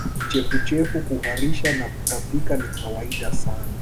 Kichefuchefu kuharisha na kutapika ni kawaida sana